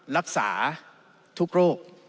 รักษาทุกโรค